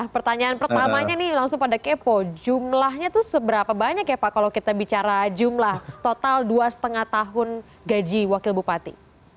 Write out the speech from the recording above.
pertanyaan pertamanya nih langsung pada kepo jumlahnya itu seberapa banyak ya pak kalau kita bicara jumlah total dua lima tahun gaji wakil bupati